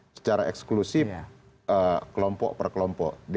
secara eksklusif kelompok per kelompok